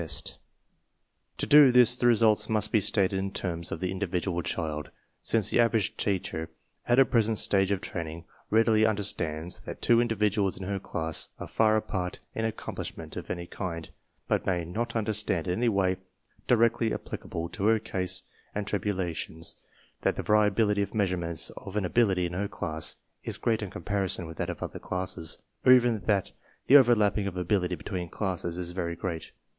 THE CONSERVATION OF TALENT 79 To do this the results must be stated in terms of the individual child, since the average teacher at her present stage of training readily understands that two individuals in her class are f arlipart ij* accomplishment of any one kind, but may not understand in any way directly applicable to her cares and tribulations that the variability of measurements of an ability in her class is > great in comparison with that of other classes, or even ' that the overlapping of ability between classes is very great.